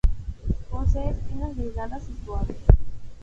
Posee espinas delgadas y suaves.